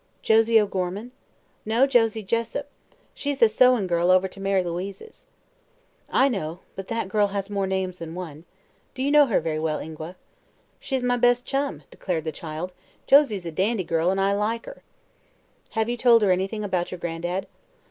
"Josie O'Gorman?" "No, Josie Jessup. She's the sewin' girl over to Mary Louise's." "I know; but that girl has more names than one. Do you know her very well, Ingua?" "She's my best chum," declared the child. "Josie's a dandy girl, an' I like her." "Have you told her anything about your gran'dad?"